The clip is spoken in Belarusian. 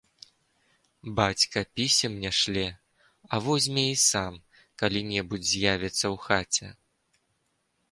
Бацька пісем не шле, а возьме і сам калі-небудзь з'явіцца ў хаце.